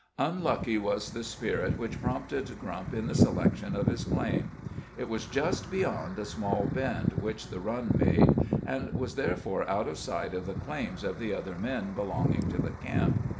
Unlucky was the spirit which prompted Grump in the selection of his claim! It was just beyond a small bend which the Run made, and was, therefore, out of sight of the claims of the other men belonging to the camp.